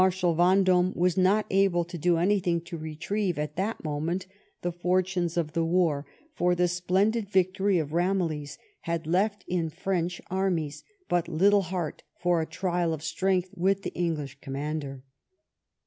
Ven dome was not able to do anything to retrieve, at that moment, the fortunes of the war; for the splendid victory of Ramillies had left in French armies but little heart for a trial of strength with the English commander.